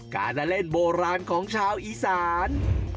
การเล่นโบราณของชาวอีสาน